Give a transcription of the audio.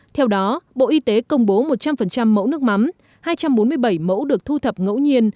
theo đó bộ y tế công bố một trăm linh mẫu nước mắm hai trăm bốn mươi bảy mẫu được thu thập ngẫu nhiên